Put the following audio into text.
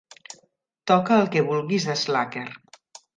Toca el que vulguis d'Slacker